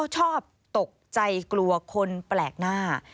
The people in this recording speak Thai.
ชอบตกใจกลัวคนแปลกหน้า